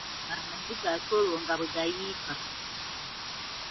Amaziga ate olwo nga bwe gayiika.